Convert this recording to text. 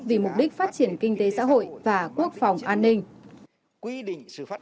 vì mục đích phát triển kinh tế xã hội và quốc phòng an ninh